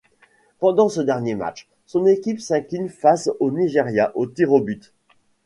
Pendant ce dernier match, son équipe s'incline face au Nigeria aux tirs au but.